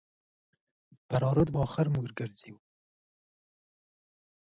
فراه رود به اخر موږ راګرځوو.